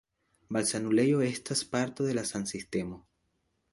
Malsanulejo estas parto de san-sistemo.